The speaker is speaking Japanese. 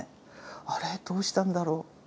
あれどうしたんだろう？